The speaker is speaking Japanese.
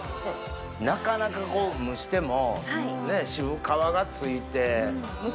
なかなか蒸しても渋皮が付いて。